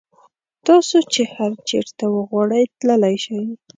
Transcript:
تاسو چې هر چېرته وغواړئ تللی شئ.